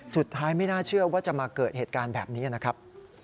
ไม่น่าเชื่อว่าจะมาเกิดเหตุการณ์แบบนี้นะครับ